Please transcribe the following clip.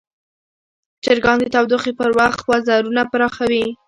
چرګان د تودوخې پر وخت وزرونه پراخوي.